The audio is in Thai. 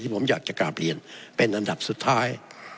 ผมอยากจะกราบเรียนเป็นอันดับสุดท้าย